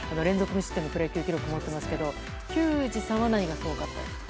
無失点プロ野球記録を持っていますけど球児さんは何がすごかったですか？